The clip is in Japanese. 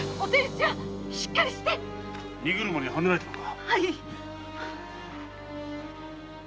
しっかりして荷車にはねられたのか？